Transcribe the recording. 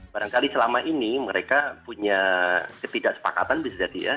barangkali selama ini mereka punya ketidaksepakatan bisa jadi ya